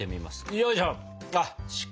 よいしょっ。